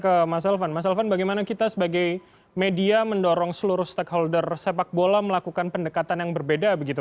ke mas elvan mas elvan bagaimana kita sebagai media mendorong seluruh stakeholder sepak bola melakukan pendekatan yang berbeda begitu